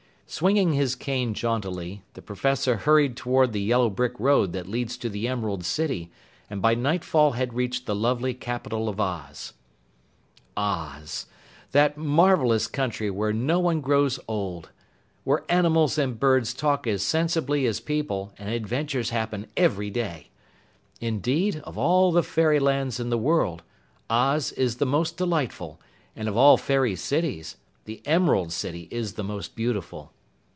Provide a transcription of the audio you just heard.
Swinging his cane jauntily, the Professor hurried toward the yellow brick road that leads to the Emerald City, and by nightfall had reached the lovely capital of Oz. Oz! that marvelous country where no one grows old where animals and birds talk as sensibly as people, and adventures happen every day. Indeed, of all fairylands in the world, Oz is the most delightful, and of all fairy cities, the Emerald City is the most beautiful.